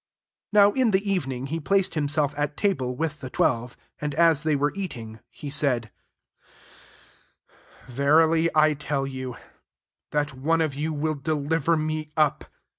20 Now in the evening, he placed himself at table with the Twelve. 21 And as they were eating, he said " Verily I tell you, that one of you will deliver me up."